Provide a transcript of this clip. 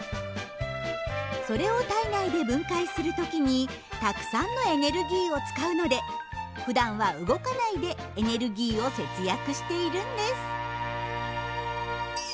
それを体内で分解する時にたくさんのエネルギーを使うのでふだんは動かないでエネルギーを節約しているんです。